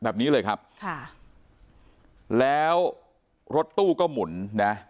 แบบนี้เลยครับค่ะแล้วรถตู้ก็หมุนนะ